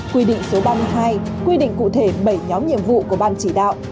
quy định số ba mươi hai quy định cụ thể bảy nhóm nhiệm vụ của ban chỉ đạo